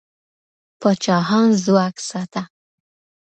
پاچاهان ځواک ساته.